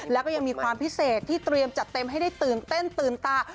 แล้วก็ยังมีความพิเศษที่เตรียมจัดเต็มให้ได้ตื่นเต้นตื่นตา